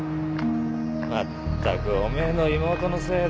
まったくお前の妹のせいでよ